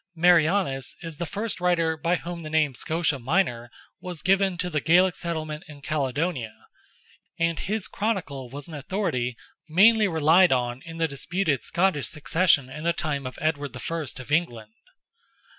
Marianus is the first writer by whom the name Scotia Minor was given to the Gaelic settlement in Caledonia, and his chronicle was an authority mainly relied on in the disputed Scottish succession in the time of Edward I. of England.